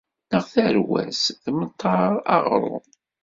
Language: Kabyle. Neɣ tarwa-s temter aɣrum.